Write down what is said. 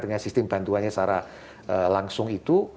dengan sistem bantuannya secara langsung itu